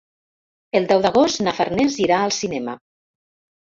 El deu d'agost na Farners irà al cinema.